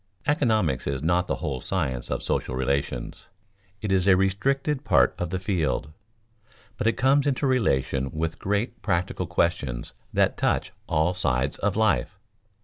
Economics is not the whole science of social relations. It is a restricted part of the field. But it comes into relation with great practical questions that touch all sides of life.